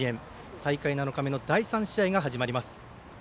大会７日目の第３試合が始まります。